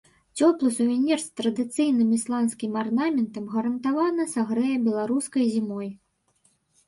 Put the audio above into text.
Цёплы сувенір з традыцыйным ісландскім арнаментам гарантавана сагрэе беларускай зімой.